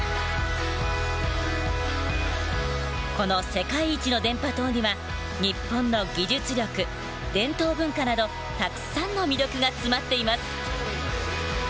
この世界一の電波塔には日本の技術力伝統文化などたくさんの魅力が詰まっています。